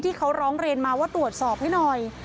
ที่เขาร้องเรียนมาว่าตรวจสอบให้หน่อย